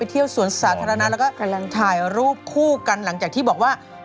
เที่ยวสวนสาธารณะแล้วก็กำลังถ่ายรูปคู่กันหลังจากที่บอกว่า